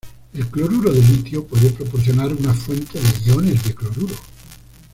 El cloruro de litio puede proporcionar una fuente de iones de cloruro.